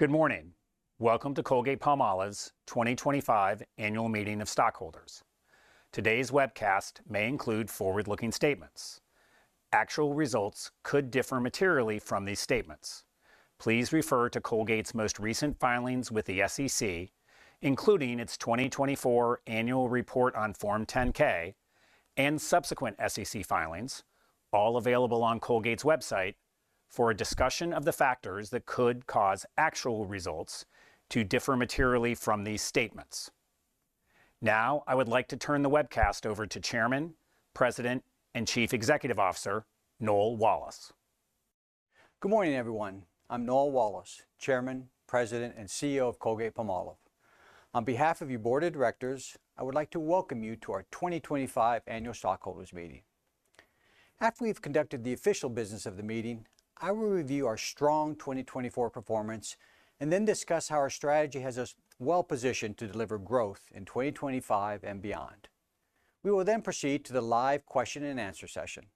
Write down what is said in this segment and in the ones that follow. Good morning. Welcome to Colgate-Palmolive's 2025 Annual Meeting of Stockholders. Today's webcast may include forward-looking statements. Actual results could differ materially from these statements. Please refer to Colgate's most recent filings with the SEC, including its 2024 Annual Report on Form 10-K and subsequent SEC filings, all available on Colgate's website, for a discussion of the factors that could cause actual results to differ materially from these statements. Now, I would like to turn the webcast over to Chairman, President, and Chief Executive Officer, Noel Wallace. Good morning, everyone. I'm Noel Wallace, Chairman, President, and CEO of Colgate-Palmolive. On behalf of your Board of Directors, I would like to welcome you to our 2025 Annual Stockholders' Meeting. After we have conducted the official business of the meeting, I will review our strong 2024 performance and then discuss how our strategy has us well-positioned to deliver growth in 2025 and beyond. We will then proceed to the live question-and-answer session.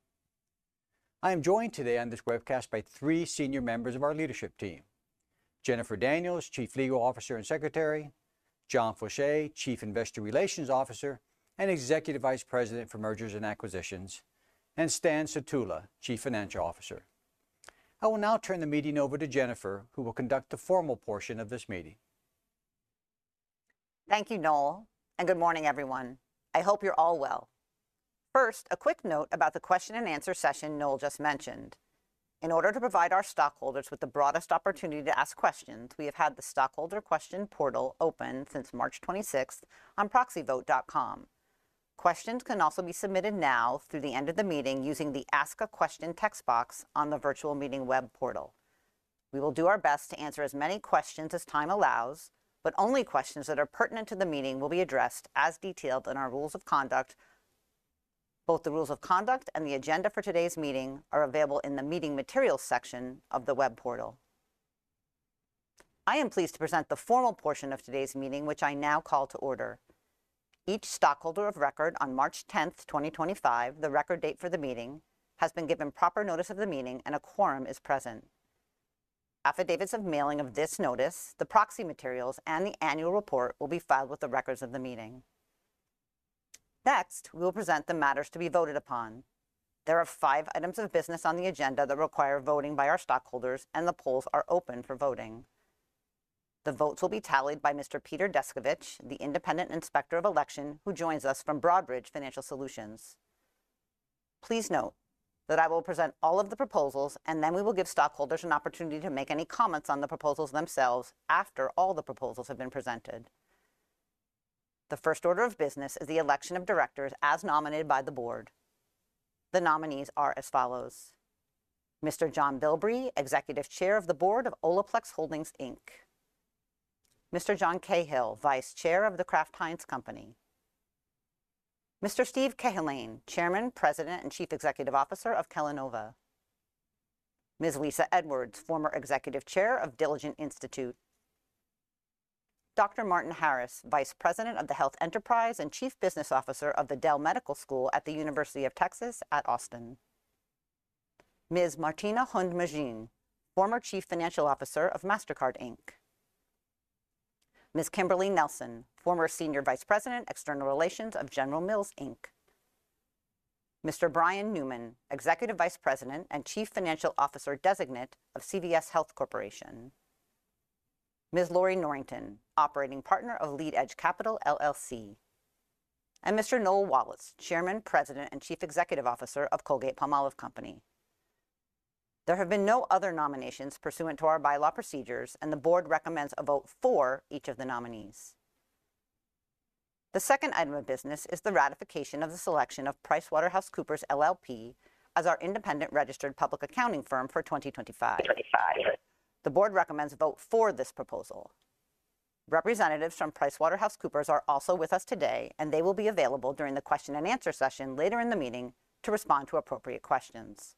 I am joined today on this webcast by three senior members of our leadership team: Jennifer Daniels, Chief Legal Officer and Secretary; John Faucher, Chief Investor Relations Officer and Executive Vice President for Mergers and Acquisitions; and Stan Sutula, Chief Financial Officer. I will now turn the meeting over to Jennifer, who will conduct the formal portion of this meeting. Thank you, Noel, and good morning, everyone. I hope you're all well. First, a quick note about the question-and-answer session Noel just mentioned. In order to provide our stockholders with the broadest opportunity to ask questions, we have had the Stockholder Question Portal open since March 26 on ProxyVote.com. Questions can also be submitted now through the end of the meeting using the Ask a Question text box on the virtual meeting web portal. We will do our best to answer as many questions as time allows, but only questions that are pertinent to the meeting will be addressed, as detailed in our Rules of Conduct. Both the Rules of Conduct and the agenda for today's meeting are available in the Meeting Materials section of the web portal. I am pleased to present the formal portion of today's meeting, which I now call to order. Each stockholder of record on March 10, 2025, the record date for the meeting, has been given proper notice of the meeting and a quorum is present. Affidavits of mailing of this notice, the proxy materials, and the annual report will be filed with the records of the meeting. Next, we will present the matters to be voted upon. There are five items of business on the agenda that require voting by our stockholders, and the polls are open for voting. The votes will be tallied by Mr. Peter Descovich, the independent inspector of elections, who joins us from Broadridge Financial Solutions. Please note that I will present all of the proposals, and then we will give stockholders an opportunity to make any comments on the proposals themselves after all the proposals have been presented. The first order of business is the election of directors as nominated by the board. The nominees are as follows: Mr. John Bilbrey, Executive Chair of the Board of Olaplex Holdings, Inc, Mr. John Cahill, Vice Chair of the Kraft Heinz Company, Mr. Steve Cahillane, Chairman, President, and Chief Executive Officer of Kellinova, Ms. Lisa Edwards, Former Executive Chair of Diligent Institute, Dr. Martin Harris, Vice President of the Health Enterprise and Chief Business Officer of the Dell Medical School at the University of Texas at Austin, Ms. Martina Hund-Magin, Former Chief Financial Officer of Mastercard, Inc, Ms. Kimberly Nelson, Former Senior Vice President, External Relations of General Mills, Inc, Mr. Brian Newman, Executive Vice President and Chief Financial Officer Designate of CVS Health Corporation, Ms. Lori Norrington, Operating Partner of LeadEdge Capital, LLC, and Mr. Noel Wallace, Chairman, President, and Chief Executive Officer of Colgate-Palmolive Company. There have been no other nominations pursuant to our bylaw procedures, and the board recommends a vote for each of the nominees. The second item of business is the ratification of the selection of PricewaterhouseCoopers, LLP, as our independent registered public accounting firm for 2025. 2025. The board recommends a vote for this proposal. Representatives from PricewaterhouseCoopers are also with us today, and they will be available during the question-and-answer session later in the meeting to respond to appropriate questions.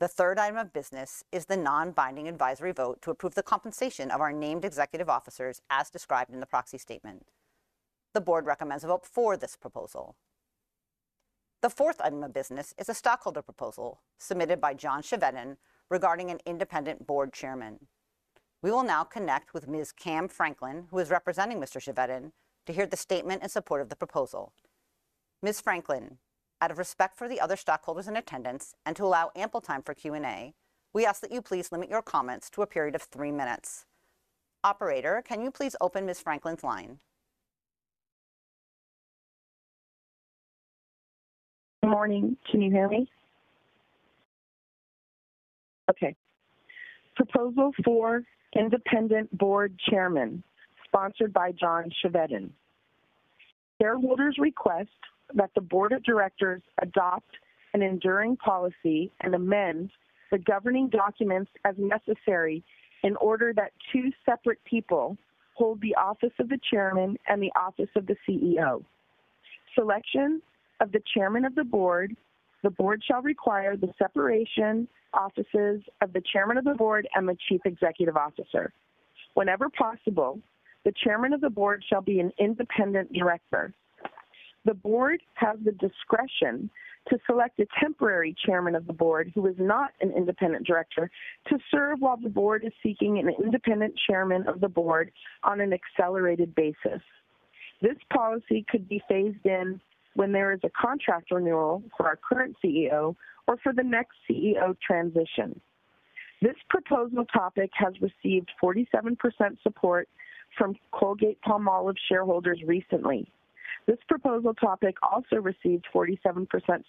The third item of business is the non-binding advisory vote to approve the compensation of our named executive officers as described in the proxy statement. The board recommends a vote for this proposal. The fourth item of business is a stockholder proposal submitted by John Chevetton regarding an independent board chairman. We will now connect with Ms. Cam Franklin, who is representing Mr. Chevetton, to hear the statement in support of the proposal. Ms. Franklin, out of respect for the other stockholders in attendance and to allow ample time for Q&A, we ask that you please limit your comments to a period of three minutes. Operator, can you please open Ms. Franklin's line? Good morning. Can you hear me? Okay. Proposal for independent board chairman sponsored by John Chevetton. Shareholders request that the Board of Directors adopt an enduring policy and amend the governing documents as necessary in order that two separate people hold the office of the chairman and the office of the CEO. Selection of the chairman of the board, the board shall require the separation offices of the chairman of the board and the chief executive officer. Whenever possible, the chairman of the board shall be an independent director. The board has the discretion to select a temporary chairman of the board who is not an independent director to serve while the board is seeking an independent chairman of the board on an accelerated basis. This policy could be phased in when there is a contract renewal for our current CEO or for the next CEO transition. This proposal topic has received 47% support from Colgate-Palmolive shareholders recently. This proposal topic also received 47%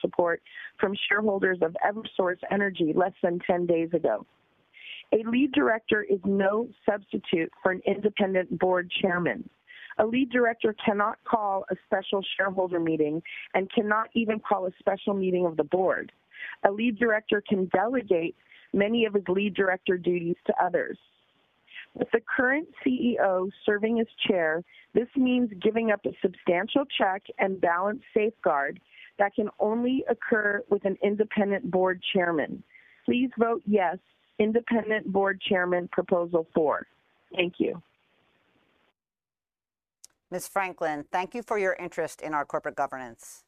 support from shareholders of Eversource Energy less than 10 days ago. A lead director is no substitute for an independent board chairman. A lead director cannot call a special shareholder meeting and cannot even call a special meeting of the board. A lead director can delegate many of his lead director duties to others. With the current CEO serving as chair, this means giving up a substantial check and balance safeguard that can only occur with an independent board chairman. Please vote yes, independent board chairman proposal four. Thank you. Ms. Franklin, thank you for your interest in our corporate governance.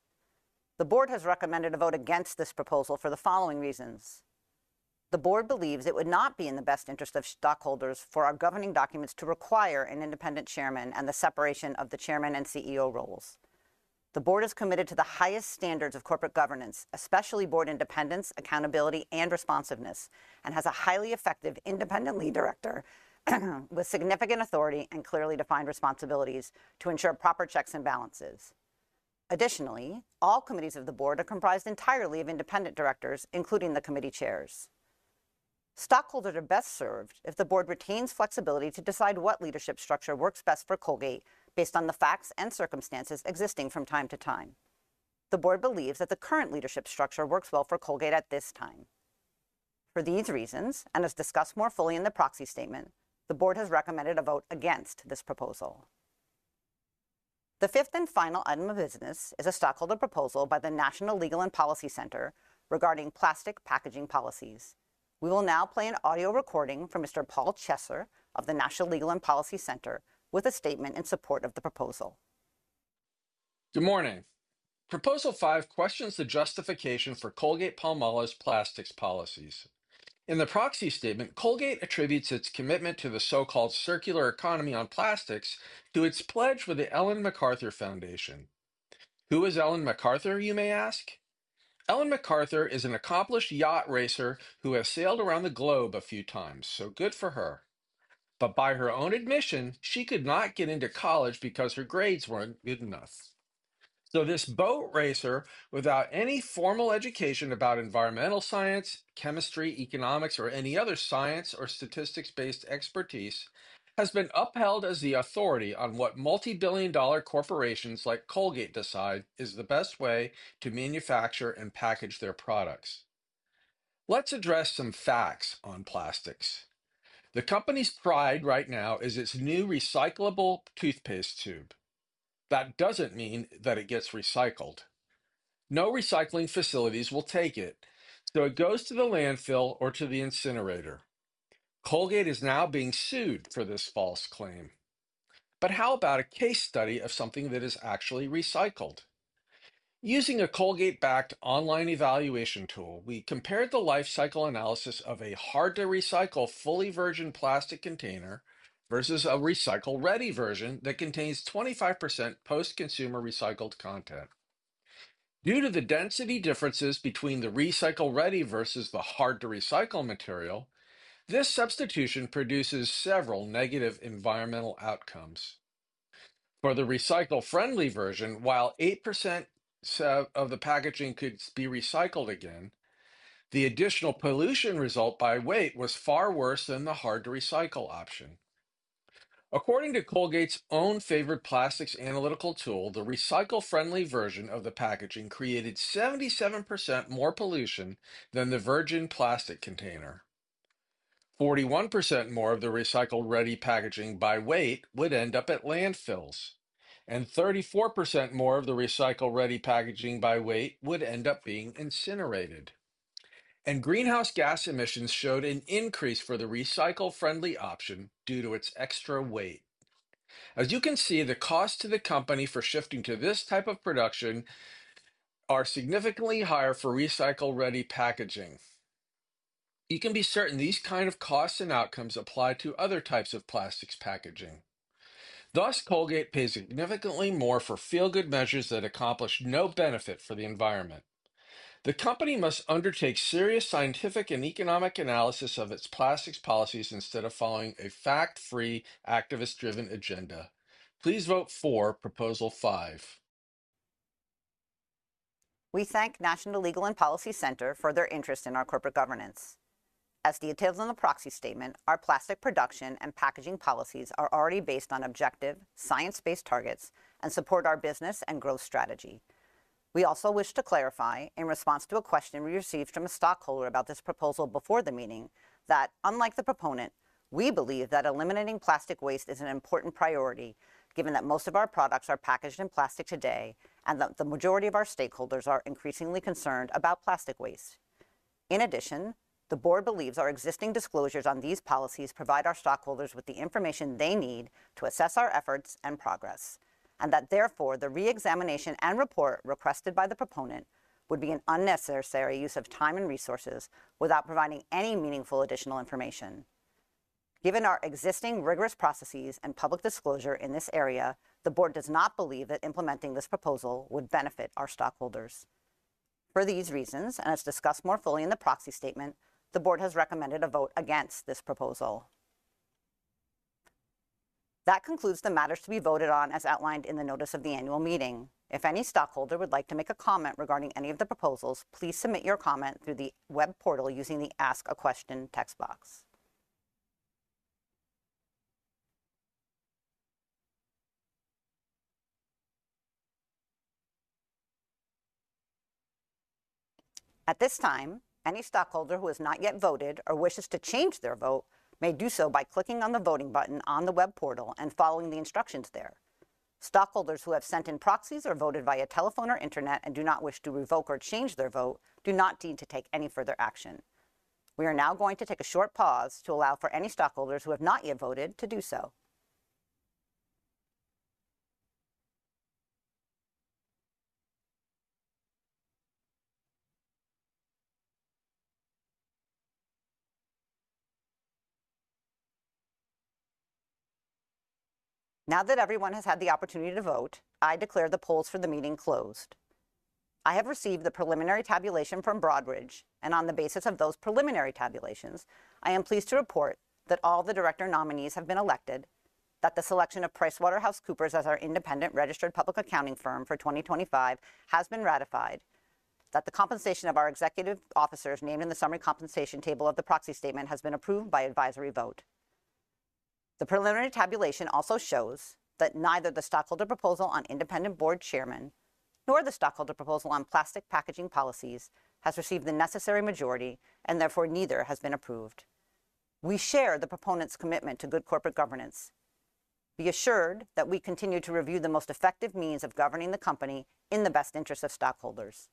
The board has recommended a vote against this proposal for the following reasons. The board believes it would not be in the best interest of stockholders for our governing documents to require an independent chairman and the separation of the chairman and CEO roles. The board is committed to the highest standards of corporate governance, especially board independence, accountability, and responsiveness, and has a highly effective independent lead director with significant authority and clearly defined responsibilities to ensure proper checks and balances. Additionally, all committees of the board are comprised entirely of independent directors, including the committee chairs. Stockholders are best served if the board retains flexibility to decide what leadership structure works best for Colgate based on the facts and circumstances existing from time to time. The board believes that the current leadership structure works well for Colgate at this time. For these reasons, and as discussed more fully in the proxy statement, the board has recommended a vote against this proposal. The fifth and final item of business is a stockholder proposal by the National Legal and Policy Center regarding plastic packaging policies. We will now play an audio recording from Mr. Paul Chessler of the National Legal and Policy Center with a statement in support of the proposal. Good morning. Proposal five questions the justification for Colgate-Palmolive's plastics policies. In the proxy statement, Colgate attributes its commitment to the so-called circular economy on plastics to its pledge with the Ellen MacArthur Foundation. Who is Ellen MacArthur, you may ask? Ellen MacArthur is an accomplished yacht racer who has sailed around the globe a few times, so good for her. By her own admission, she could not get into college because her grades were not good enough. This boat racer, without any formal education about environmental science, chemistry, economics, or any other science or statistics-based expertise, has been upheld as the authority on what multi-billion-dollar corporations like Colgate decide is the best way to manufacture and package their products. Let's address some facts on plastics. The company's pride right now is its new recyclable toothpaste tube. That does not mean that it gets recycled. No recycling facilities will take it, so it goes to the landfill or to the incinerator. Colgate is now being sued for this false claim. How about a case study of something that is actually recycled? Using a Colgate-backed online evaluation tool, we compared the life cycle analysis of a hard-to-recycle fully virgin plastic container versus a recycle-ready version that contains 25% post-consumer recycled content. Due to the density differences between the recycle-ready versus the hard-to-recycle material, this substitution produces several negative environmental outcomes. For the recycle-friendly version, while 8% of the packaging could be recycled again, the additional pollution result by weight was far worse than the hard-to-recycle option. According to Colgate's own favorite plastics analytical tool, the recycle-friendly version of the packaging created 77% more pollution than the virgin plastic container. 41% more of the recycle-ready packaging by weight would end up at landfills, and 34% more of the recycle-ready packaging by weight would end up being incinerated. Greenhouse gas emissions showed an increase for the recycle-friendly option due to its extra weight. As you can see, the cost to the company for shifting to this type of production are significantly higher for recycle-ready packaging. You can be certain these kinds of costs and outcomes apply to other types of plastics packaging. Thus, Colgate pays significantly more for feel-good measures that accomplish no benefit for the environment. The company must undertake serious scientific and economic analysis of its plastics policies instead of following a fact-free, activist-driven agenda. Please vote for Proposal Five. We thank National Legal and Policy Center for their interest in our corporate governance. As detailed in the proxy statement, our plastic production and packaging policies are already based on objective, science-based targets and support our business and growth strategy. We also wish to clarify, in response to a question we received from a stockholder about this proposal before the meeting, that unlike the proponent, we believe that eliminating plastic waste is an important priority, given that most of our products are packaged in plastic today and that the majority of our stakeholders are increasingly concerned about plastic waste. In addition, the board believes our existing disclosures on these policies provide our stockholders with the information they need to assess our efforts and progress, and that therefore the re-examination and report requested by the proponent would be an unnecessary use of time and resources without providing any meaningful additional information. Given our existing rigorous processes and public disclosure in this area, the board does not believe that implementing this proposal would benefit our stockholders. For these reasons, and as discussed more fully in the proxy statement, the board has recommended a vote against this proposal. That concludes the matters to be voted on as outlined in the notice of the annual meeting. If any stockholder would like to make a comment regarding any of the proposals, please submit your comment through the web portal using the Ask a Question text box. At this time, any stockholder who has not yet voted or wishes to change their vote may do so by clicking on the voting button on the web portal and following the instructions there. Stockholders who have sent in proxies or voted via telephone or internet and do not wish to revoke or change their vote do not need to take any further action. We are now going to take a short pause to allow for any stockholders who have not yet voted to do so. Now that everyone has had the opportunity to vote, I declare the polls for the meeting closed. I have received the preliminary tabulation from Broadridge, and on the basis of those preliminary tabulations, I am pleased to report that all the director nominees have been elected, that the selection of PricewaterhouseCoopers as our independent registered public accounting firm for 2025 has been ratified, that the compensation of our executive officers named in the summary compensation table of the proxy statement has been approved by advisory vote. The preliminary tabulation also shows that neither the stockholder proposal on independent board chairman nor the stockholder proposal on plastic packaging policies has received the necessary majority and therefore neither has been approved. We share the proponent's commitment to good corporate governance. Be assured that we continue to review the most effective means of governing the company in the best interest of stockholders.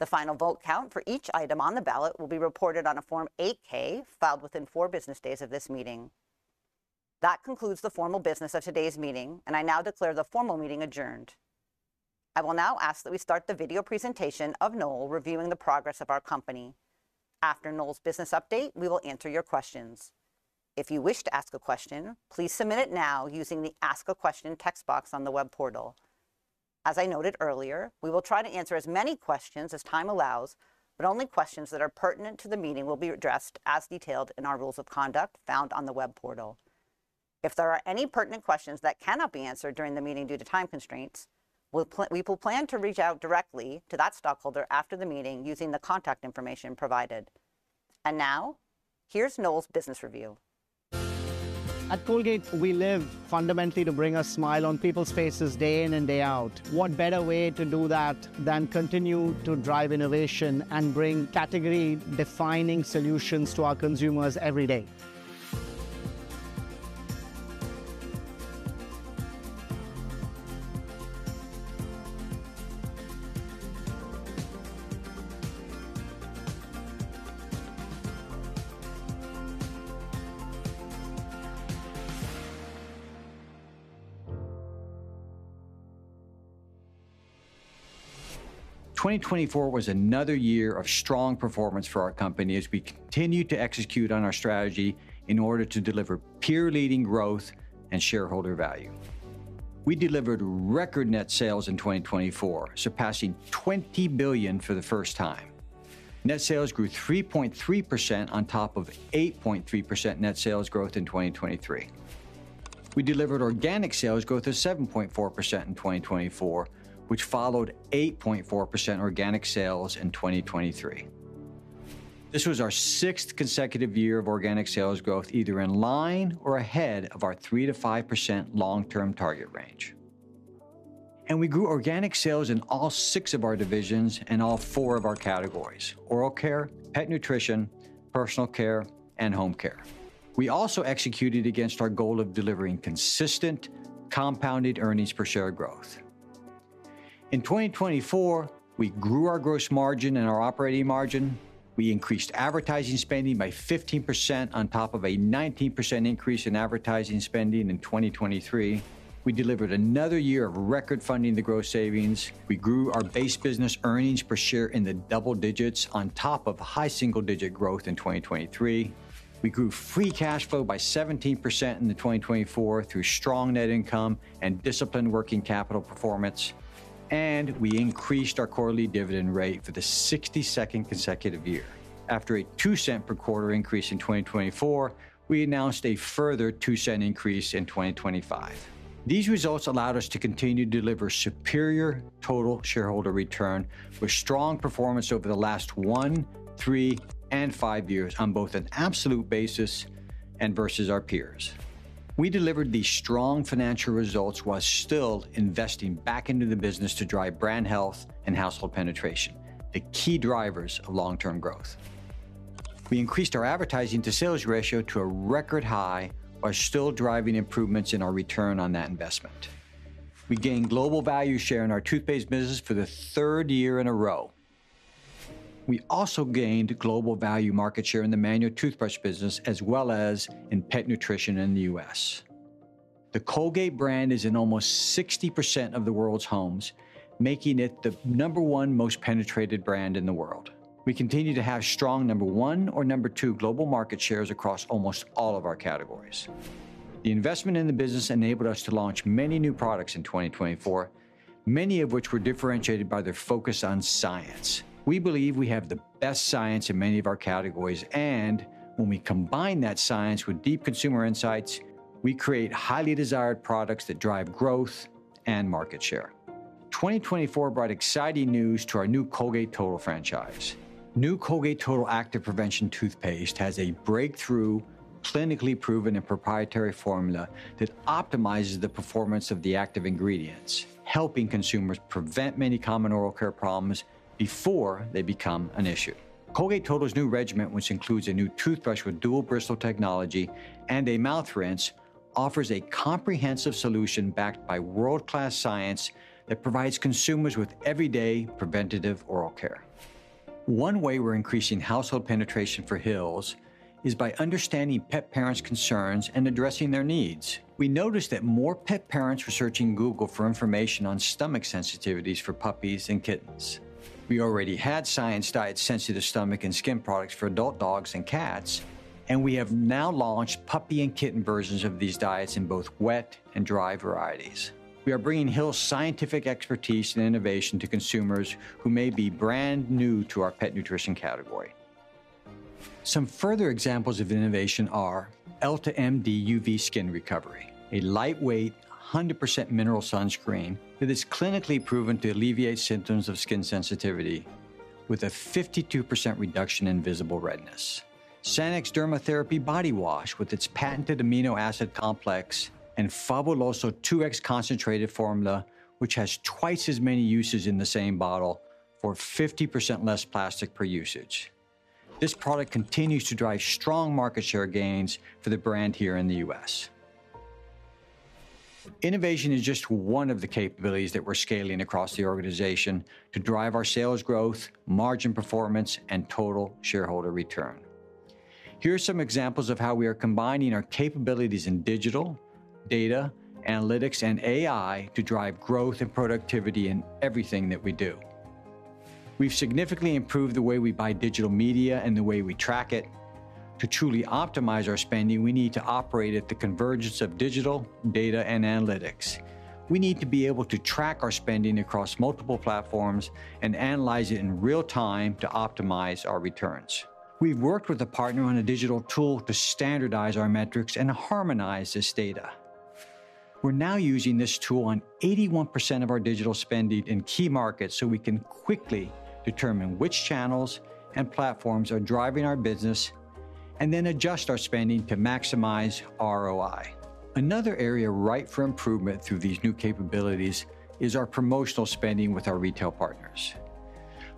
The final vote count for each item on the ballot will be reported on a Form 8-K filed within four business days of this meeting. That concludes the formal business of today's meeting, and I now declare the formal meeting adjourned. I will now ask that we start the video presentation of Noel reviewing the progress of our company. After Noel's business update, we will answer your questions. If you wish to ask a question, please submit it now using the Ask a Question text box on the web portal. As I noted earlier, we will try to answer as many questions as time allows, but only questions that are pertinent to the meeting will be addressed as detailed in our rules of conduct found on the web portal. If there are any pertinent questions that cannot be answered during the meeting due to time constraints, we will plan to reach out directly to that stockholder after the meeting using the contact information provided. Now, here's Noel's business review. At Colgate, we live fundamentally to bring a smile on people's faces day in and day out. What better way to do that than continue to drive innovation and bring category-defining solutions to our consumers every day? 2024 was another year of strong performance for our company as we continued to execute on our strategy in order to deliver peer-leading growth and shareholder value. We delivered record net sales in 2024, surpassing $20 billion for the first time. Net sales grew 3.3% on top of 8.3% net sales growth in 2023. We delivered organic sales growth of 7.4% in 2024, which followed 8.4% organic sales in 2023. This was our sixth consecutive year of organic sales growth, either in line or ahead of our 3-5% long-term target range. We grew organic sales in all six of our divisions and all four of our categories: oral care, pet nutrition, personal care, and home care. We also executed against our goal of delivering consistent compounded earnings per share growth. In 2024, we grew our gross margin and our operating margin. We increased advertising spending by 15% on top of a 19% increase in advertising spending in 2023. We delivered another year of record funding the gross savings. We grew our base business earnings per share in the double digits on top of high single-digit growth in 2023. We grew free cash flow by 17% in 2024 through strong net income and disciplined working capital performance. We increased our quarterly dividend rate for the 62nd consecutive year. After a $0.02 per quarter increase in 2024, we announced a further $0.02 increase in 2025. These results allowed us to continue to deliver superior total shareholder return with strong performance over the last one, three, and five years on both an absolute basis and versus our peers. We delivered these strong financial results while still investing back into the business to drive brand health and household penetration, the key drivers of long-term growth. We increased our advertising-to-sales ratio to a record high while still driving improvements in our return on that investment. We gained global value share in our toothpaste business for the third year in a row. We also gained global value market share in the manual toothbrush business as well as in pet nutrition in the U.S.. The Colgate brand is in almost 60% of the world's homes, making it the number one most penetrated brand in the world. We continue to have strong number one or number two global market shares across almost all of our categories. The investment in the business enabled us to launch many new products in 2024, many of which were differentiated by their focus on science. We believe we have the best science in many of our categories, and when we combine that science with deep consumer insights, we create highly desired products that drive growth and market share. 2024 brought exciting news to our new Colgate Total franchise. New Colgate Total Active Prevention Toothpaste has a breakthrough, clinically proven, and proprietary formula that optimizes the performance of the active ingredients, helping consumers prevent many common oral care problems before they become an issue. Colgate Total's new regimen, which includes a new toothbrush with dual-bristle technology and a mouth rinse, offers a comprehensive solution backed by world-class science that provides consumers with everyday preventative oral care. One way we're increasing household penetration for Hill's is by understanding pet parents' concerns and addressing their needs. We noticed that more pet parents were searching Google for information on stomach sensitivities for puppies and kittens. We already had Hill's Science Diet Sensitive Stomach and Skin products for adult dogs and cats, and we have now launched puppy and kitten versions of these diets in both wet and dry varieties. We are bringing Hill's scientific expertise and innovation to consumers who may be brand new to our pet nutrition category. Some further examples of innovation are EltaMD UV Skin Recovery, a lightweight 100% mineral sunscreen that is clinically proven to alleviate symptoms of skin sensitivity with a 52% reduction in visible redness. Sanex Dermotherapy Body Wash with its patented amino acid complex and Fabuloso 2X concentrated formula, which has twice as many uses in the same bottle for 50% less plastic per usage. This product continues to drive strong market share gains for the brand here in the U.S.. Innovation is just one of the capabilities that we're scaling across the organization to drive our sales growth, margin performance, and total shareholder return. Here are some examples of how we are combining our capabilities in digital, data, analytics, and AI to drive growth and productivity in everything that we do. We've significantly improved the way we buy digital media and the way we track it. To truly optimize our spending, we need to operate at the convergence of digital, data, and analytics. We need to be able to track our spending across multiple platforms and analyze it in real time to optimize our returns. We've worked with a partner on a digital tool to standardize our metrics and harmonize this data. We're now using this tool on 81% of our digital spending in key markets so we can quickly determine which channels and platforms are driving our business and then adjust our spending to maximize ROI. Another area ripe for improvement through these new capabilities is our promotional spending with our retail partners.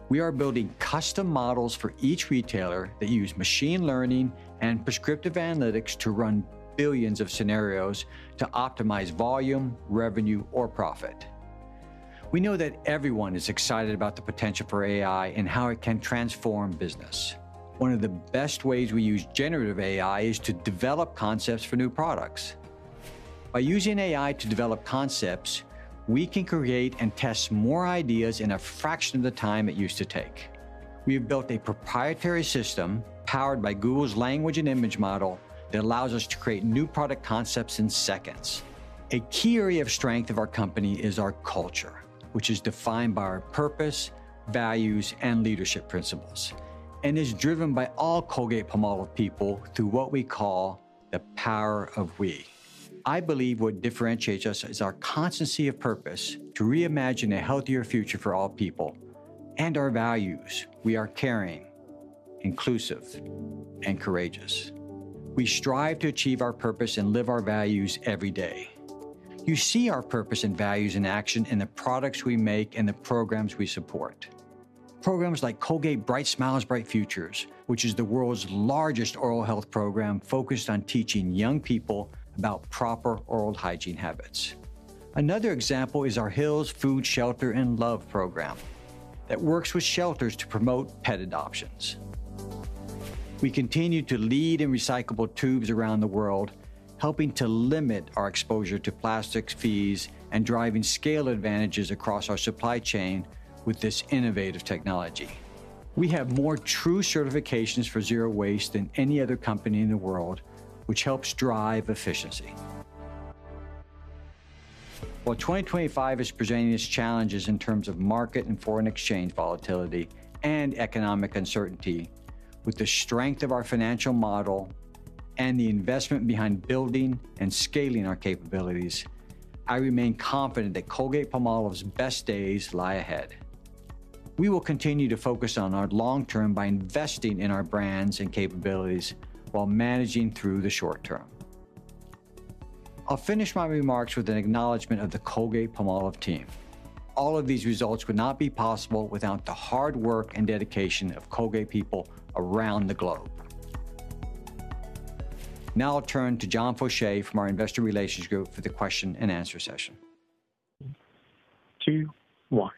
We are building custom models for each retailer that use machine learning and prescriptive analytics to run billions of scenarios to optimize volume, revenue, or profit. We know that everyone is excited about the potential for AI and how it can transform business. One of the best ways we use generative AI is to develop concepts for new products. By using AI to develop concepts, we can create and test more ideas in a fraction of the time it used to take. We have built a proprietary system powered by Google's language and image model that allows us to create new product concepts in seconds. A key area of strength of our company is our culture, which is defined by our purpose, values, and leadership principles, and is driven by all Colgate-Palmolive people through what we call the power of we. I believe what differentiates us is our constancy of purpose to reimagine a healthier future for all people and our values. We are caring, inclusive, and courageous. We strive to achieve our purpose and live our values every day. You see our purpose and values in action in the products we make and the programs we support. Programs like Colgate Bright Smiles, Bright Futures, which is the world's largest oral health program focused on teaching young people about proper oral hygiene habits. Another example is our Hill's Food, Shelter, and Love program that works with shelters to promote pet adoptions. We continue to lead in recyclable tubes around the world, helping to limit our exposure to plastics, fees, and driving scale advantages across our supply chain with this innovative technology. We have more true certifications for zero waste than any other company in the world, which helps drive efficiency. While 2025 is presenting its challenges in terms of market and foreign exchange volatility and economic uncertainty, with the strength of our financial model and the investment behind building and scaling our capabilities, I remain confident that Colgate-Palmolive's best days lie ahead. We will continue to focus on our long-term by investing in our brands and capabilities while managing through the short term. I'll finish my remarks with an acknowledgment of the Colgate-Palmolive team. All of these results would not be possible without the hard work and dedication of Colgate people around the globe. Now, I'll turn to John Faucher from our investor relations group for the question-and-answer session. Two, one.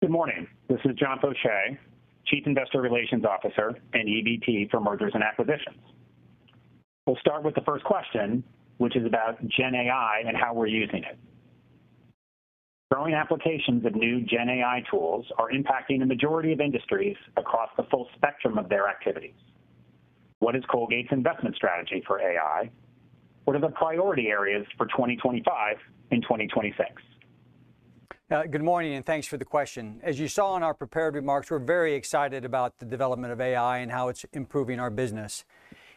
Good morning. This is John Faucher, Chief Investor Relations Officer and EVP for Mergers and Acquisitions. We'll start with the first question, which is about GenAI and how we're using it. Growing applications of new GenAI tools are impacting the majority of industries across the full spectrum of their activities. What is Colgate's investment strategy for AI? What are the priority areas for 2025 and 2026? Good morning, and thanks for the question. As you saw in our prepared remarks, we're very excited about the development of AI and how it's improving our business.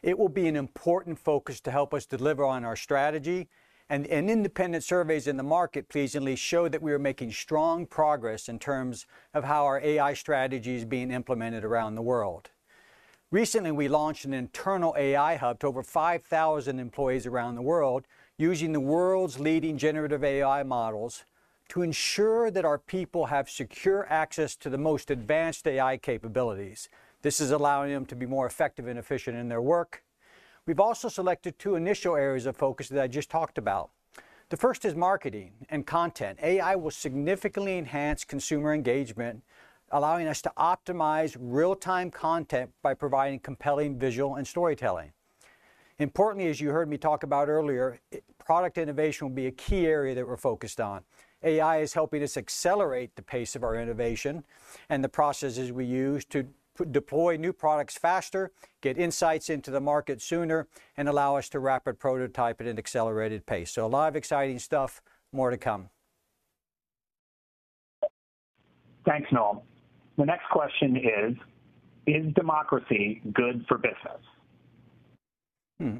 It will be an important focus to help us deliver on our strategy, and independent surveys in the market pleasingly show that we are making strong progress in terms of how our AI strategy is being implemented around the world. Recently, we launched an internal AI hub to over 5,000 employees around the world using the world's leading generative AI models to ensure that our people have secure access to the most advanced AI capabilities. This is allowing them to be more effective and efficient in their work. We've also selected two initial areas of focus that I just talked about. The first is marketing and content. AI will significantly enhance consumer engagement, allowing us to optimize real-time content by providing compelling visuals and storytelling. Importantly, as you heard me talk about earlier, product innovation will be a key area that we're focused on. AI is helping us accelerate the pace of our innovation and the processes we use to deploy new products faster, get insights into the market sooner, and allow us to rapid prototype at an accelerated pace. A lot of exciting stuff more to come. Thanks, Noel. The next question is, is democracy good for business?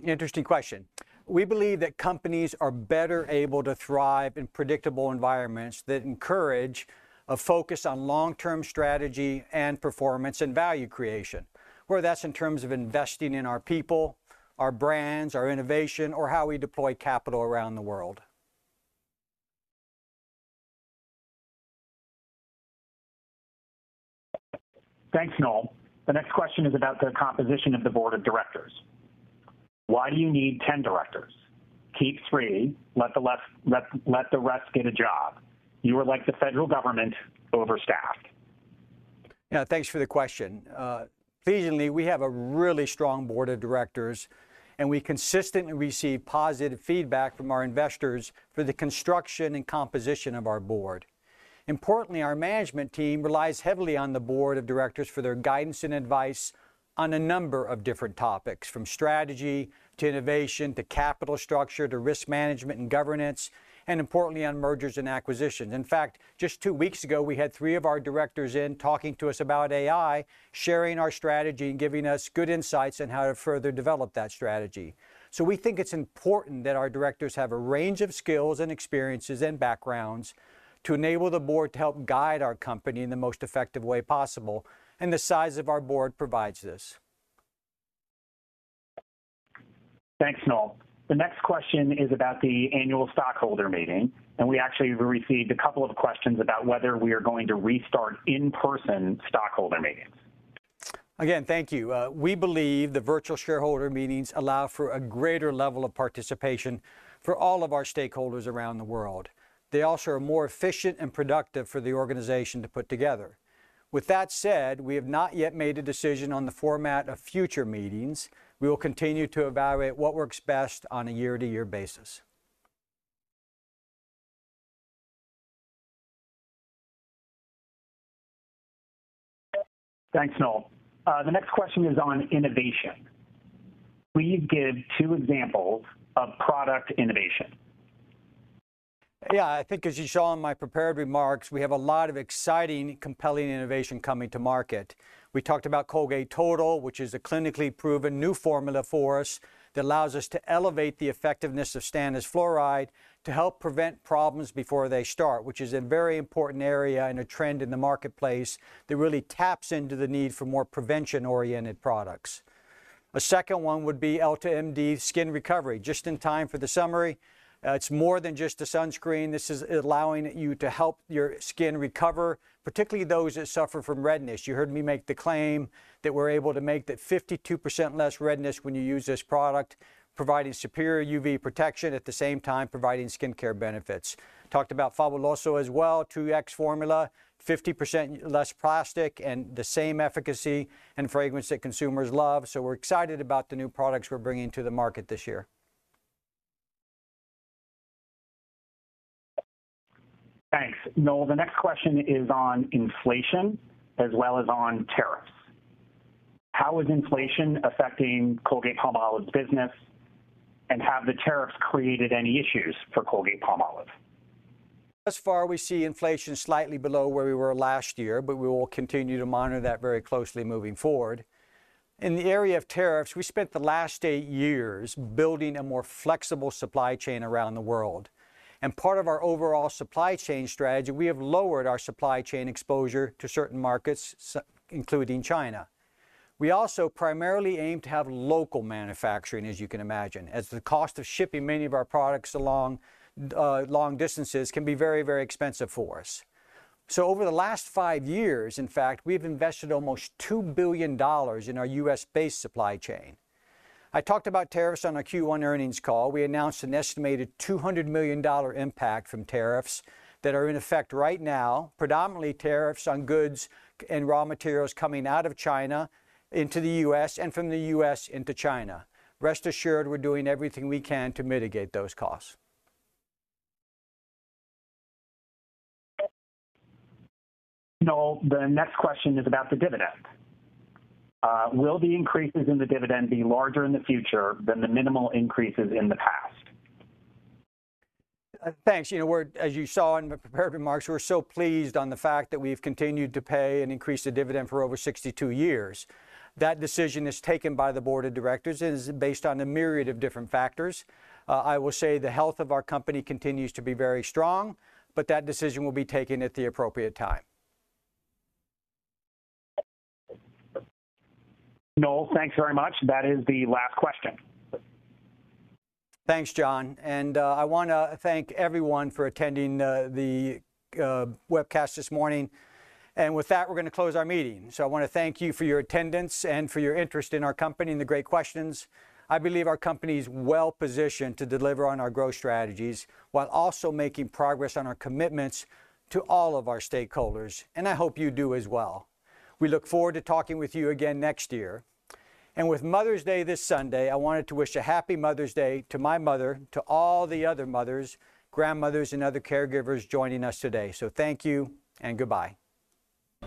Interesting question. We believe that companies are better able to thrive in predictable environments that encourage a focus on long-term strategy and performance and value creation, whether that's in terms of investing in our people, our brands, our innovation, or how we deploy capital around the world. Thanks, Noel. The next question is about the composition of the board of directors. Why do you need 10 directors? Keep three, let the rest get a job. You are like the federal government, overstaffed. Yeah, thanks for the question. Pleasingly, we have a really strong board of directors, and we consistently receive positive feedback from our investors for the construction and composition of our board. Importantly, our management team relies heavily on the board of directors for their guidance and advice on a number of different topics, from strategy to innovation to capital structure to risk management and governance, and, importantly, on mergers and acquisitions. In fact, just two weeks ago, we had three of our directors in talking to us about AI, sharing our strategy, and giving us good insights on how to further develop that strategy. We think it's important that our directors have a range of skills and experiences, and backgrounds to enable the board to help guide our company in the most effective way possible, and the size of our board provides this Thanks, Noel. The next question is about the annual stockholder meeting, and we actually received a couple of questions about whether we are going to restart in-person stockholder meetings. Again, thank you. We believe the virtual shareholder meetings allow for a greater level of participation for all of our stakeholders around the world. They also are more efficient and productive for the organization to put together. With that said, we have not yet made a decision on the format of future meetings. We will continue to evaluate what works best on a year-to-year basis. Thanks, Noel. The next question is on innovation. Please give two examples of product innovation. Yeah, I think as you saw in my prepared remarks, we have a lot of exciting, compelling innovation coming to market. We talked about Colgate Total, which is a clinically proven new formula for us that allows us to elevate the effectiveness of stannous fluoride to help prevent problems before they start, which is a very important area and a trend in the marketplace that really taps into the need for more prevention-oriented products. A second one would be EltaMD UV Skin Recovery. Just in time for the summer, it is more than just a sunscreen. This is allowing you to help your skin recover, particularly those that suffer from redness. You heard me make the claim that we are able to make that 52% less redness when you use this product, providing superior UV protection at the same time providing skincare benefits. Talked about Fabuloso 2X formula, 50% less plastic and the same efficacy and fragrance that consumers love. We are excited about the new products we are bringing to the market this year. Thanks. Noel, the next question is on inflation as well as on tariffs. How is inflation affecting Colgate-Palmolive's business, and have the tariffs created any issues for Colgate-Palmolive? Thus far, we see inflation slightly below where we were last year, but we will continue to monitor that very closely moving forward. In the area of tariffs, we spent the last eight years building a more flexible supply chain around the world. As part of our overall supply chain strategy, we have lowered our supply chain exposure to certain markets, including China. We also primarily aim to have local manufacturing, as you can imagine, as the cost of shipping many of our products along long distances can be very, very expensive for us. Over the last five years, in fact, we have invested almost $2 billion in our US-based supply chain. I talked about tariffs on our Q1 earnings call. We announced an estimated $200 million impact from tariffs that are in effect right now, predominantly tariffs on goods and raw materials coming out of China into the U.S. and from the U.S. into China. Rest assured, we're doing everything we can to mitigate those costs. Noel, the next question is about the dividend. Will the increases in the dividend be larger in the future than the minimal increases in the past? Thanks. As you saw in the prepared remarks, we're so pleased on the fact that we've continued to pay and increase the dividend for over 62 years. That decision is taken by the board of directors and is based on a myriad of different factors. I will say the health of our company continues to be very strong, but that decision will be taken at the appropriate time. Noel, thanks very much. That is the last question. Thanks, John. I want to thank everyone for attending the webcast this morning. With that, we are going to close our meeting. I want to thank you for your attendance and for your interest in our company and the great questions. I believe our company is well positioned to deliver on our growth strategies while also making progress on our commitments to all of our stakeholders, and I hope you do as well. We look forward to talking with you again next year. With Mother's Day this Sunday, I wanted to wish a happy Mother's Day to my mother, to all the other mothers, grandmothers, and other caregivers joining us today. Thank you and goodbye.